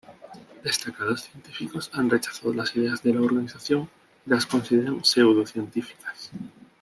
Destacados científicos han rechazado las ideas de la organización y las consideran pseudocientíficas.